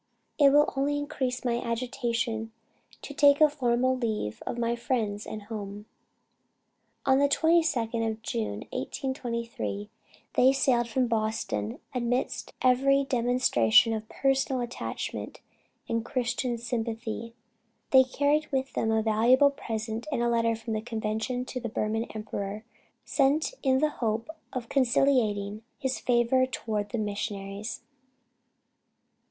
It will only increase my agitation to take a formal leave of my friends and home." On the 22d of June, 1823, they sailed from Boston amidst every demonstration of personal attachment and Christian sympathy. They carried with them a valuable present and a letter from the Convention to the Burman emperor, sent in the hope of conciliating his favor toward the missionaries.